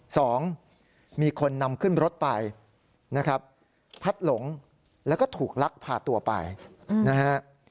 สองคนมีคนนำขึ้นรถไปนะครับพัดหลงแล้วก็ถูกลักพาตัวไปนะฮะ